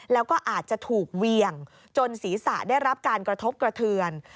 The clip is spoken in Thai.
แล้วก็อาจจะถูกเหวี่ยงจนศีรษะได้รับการกระทบกระเทือน